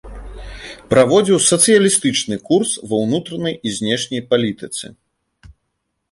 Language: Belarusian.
Праводзіў сацыялістычны курс ва ўнутранай і знешняй палітыцы.